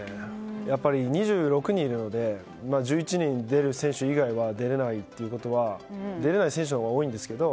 やっぱり２６人いるので１１人、出る選手以外は出れないってことは出れない選手のほうが多いんですけど。